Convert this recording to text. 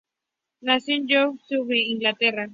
Nació en Yeovil, Somerset, Inglaterra.